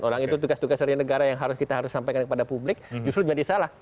orang itu tugas tugas sehari hari negara yang harus kita sampaikan kepada publik justru menjadi salah